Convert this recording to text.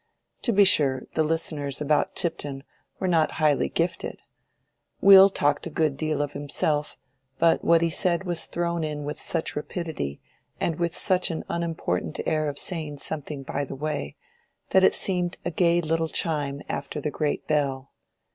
To be sure, the listeners about Tipton were not highly gifted! Will talked a good deal himself, but what he said was thrown in with such rapidity, and with such an unimportant air of saying something by the way, that it seemed a gay little chime after the great bell.